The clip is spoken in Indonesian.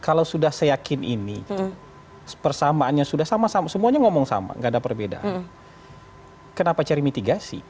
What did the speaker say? kalau sudah saya yakin ini persamaannya sudah sama sama semuanya ngomong sama nggak ada perbedaan kenapa cari mitigasi